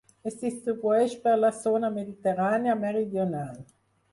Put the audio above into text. Es distribueix per la zona mediterrània meridional.